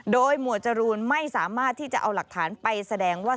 โดยหมวดจรูนไม่สามารถที่จะเอาหลักฐานไปแสดงว่า